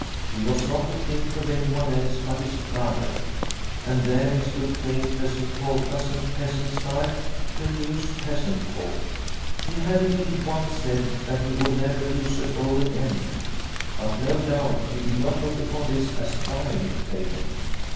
She was not to think of anyone else but his brother. And there he stood playing peasant polkas in peasant style to amuse peasant folk ! He had, indeed, once said that he would never use a bow again, but no doubt he did not look upon this as violin playing.